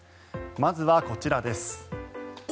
まずはこちらです。